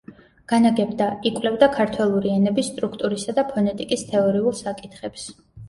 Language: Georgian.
განაგებდა იკვლევდა ქართველური ენების სტრუქტურისა და ფონეტიკის თეორიულ საკითხებს.